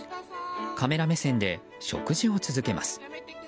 カメラ目線で食事を続けます。